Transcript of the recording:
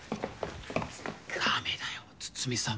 ダメだよ筒見さん